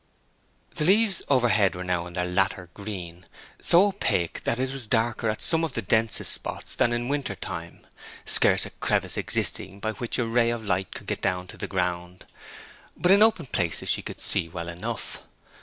The leaves overhead were now in their latter green—so opaque, that it was darker at some of the densest spots than in winter time, scarce a crevice existing by which a ray could get down to the ground. But in open places she could see well enough.